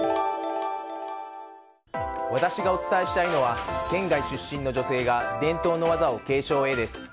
私がお伝えしたいのは県外出身の女性が伝統の技を継承へです。